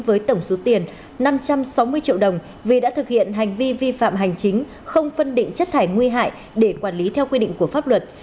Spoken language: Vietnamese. với tổng số tiền năm trăm sáu mươi triệu đồng vì đã thực hiện hành vi vi phạm hành chính không phân định chất thải nguy hại để quản lý theo quy định của pháp luật